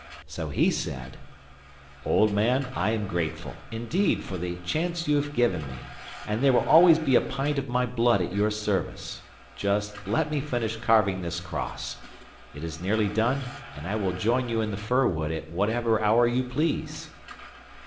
So he said: 'Old man, I am grateful, indeed, for the chance you have given me, and there will always be a pint of my blood at your service. Just let me finish carving this cross. It is nearly done, and I will join you in the fir wood at whatever hour you please.